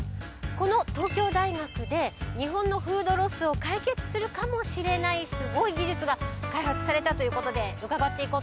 この東京大学で日本のフードロスを解決するかもしれないすごい技術が開発されたということで伺っていこうと思うんですが。